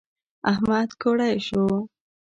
احمد ګوړۍ شو.